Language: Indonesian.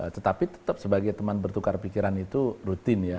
tetapi tetap sebagai teman bertukar pikiran itu rutin ya